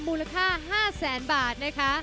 มูลค่า๕๐๐๐๐๐บาท